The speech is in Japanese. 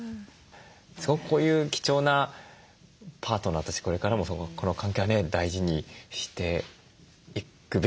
すごくこういう貴重なパートナーとしてこれからもこの関係はね大事にしていくべきものだなと感じましたね。